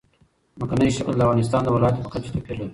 ځمکنی شکل د افغانستان د ولایاتو په کچه توپیر لري.